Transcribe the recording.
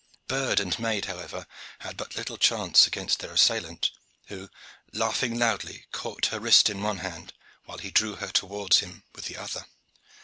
Bird and maid, however, had but little chance against their assailant who, laughing loudly, caught her wrist in one hand while he drew her towards him with the other.